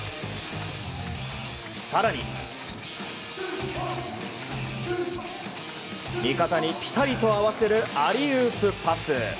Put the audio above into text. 更に、味方にぴたりと合わせるアリウープパス。